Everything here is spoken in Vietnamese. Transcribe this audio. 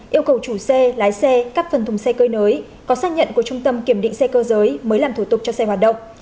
yêu cầu chủ xe lái xe các phần thùng xe cơi nới có xác nhận của trung tâm kiểm định xe cơ giới mới làm thủ tục cho xe hoạt động